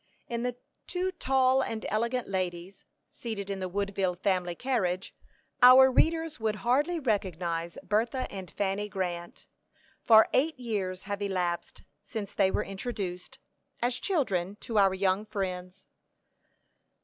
In the two tall and elegant ladies, seated in the Woodville family carriage, our readers would hardly recognize Bertha and Fanny Grant, for eight years have elapsed since they were introduced, as children, to our young friends.